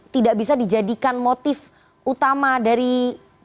tidak bisa dijadikan motif utama dari